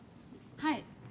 はい。